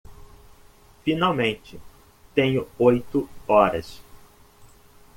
Finalmente tenho oito horas